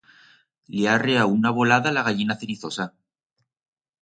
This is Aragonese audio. Li ha arreau una volada a la gallina cenizosa.